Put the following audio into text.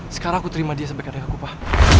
sekarang aku terima dia sebagai adik aku pak